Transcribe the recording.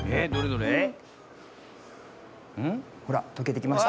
ほらとけてきました。